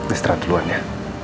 istirahat duluan ya